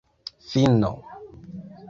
finno